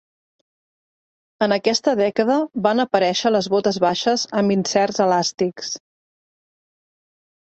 En aquesta dècada van aparèixer les botes baixes amb inserts elàstics.